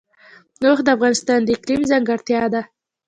اوښ د افغانستان د اقلیم ځانګړتیا ده.